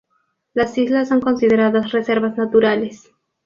Las islas son consideradas reservas naturales.